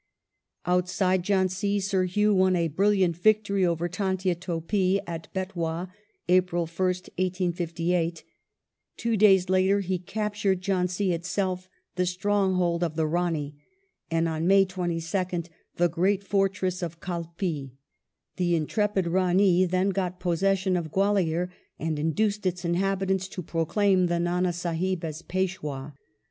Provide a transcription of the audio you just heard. Out side Jhdnsi Sir Hugh won a brilliant victory over Tantia Topi at Betwa (April 1st, 1858), two days later he captured Jhdnsi itself, the stronghold of the Rani, and on May 22nd the great fortress of Kalpi. The intrepid Rani then got possession of Gwalior and induced its inhabitants to proclaim the Ndnd Sdhib as Peshwd.